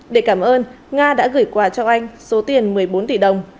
để cảm ơn nga đã gửi quà cho anh số tiền một mươi bốn tỷ đồng